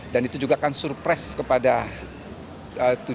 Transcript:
dan itu juga akan surprise kepada pemerintah